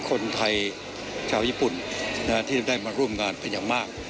คนไทยชาวญี่ปุ่นที่ได้มาร่วมงานเป็นอย่างมาก